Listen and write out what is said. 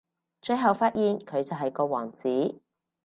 最後發現佢就係個王子